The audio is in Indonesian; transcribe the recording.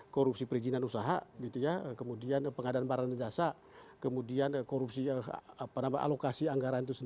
korupsi perizinan usaha gitu ya kemudian pengadaan barang dan jasa kemudian korupsi yang apa namanya alokasi anggaran yang lain